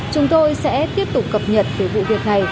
chúng tôi sẽ tiếp tục cập nhật về vụ việc này